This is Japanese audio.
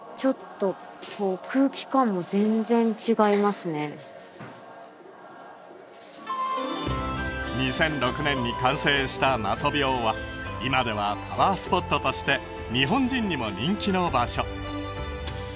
すごいすごく２００６年に完成した媽祖廟は今ではパワースポットとして日本人にも人気の場所